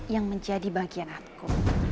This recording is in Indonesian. yang menjadi bagian aku